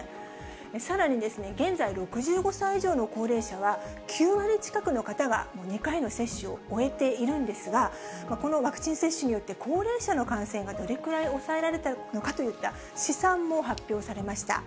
さらに、現在６５歳以上の高齢者は、９割近くの方が２回の接種を終えているんですが、このワクチン接種によって、高齢者の感染がどれくらい抑えられたのかといった試算も発表されました。